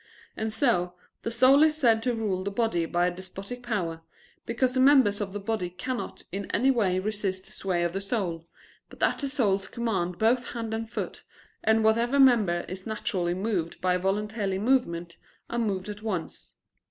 And so, the soul is said to rule the body by a despotic power, because the members of the body cannot in any way resist the sway of the soul, but at the soul's command both hand and foot, and whatever member is naturally moved by voluntary movement, are moved at once.